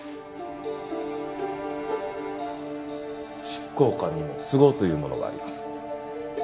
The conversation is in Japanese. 執行官にも都合というものがあります。